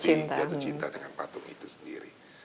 dia jatuh cinta dengan patung itu sendiri